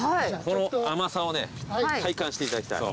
この甘さを体感していただきたい。